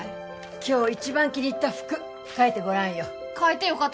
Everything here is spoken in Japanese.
今日一番気に入った服描いてごらんよ描いてよかと？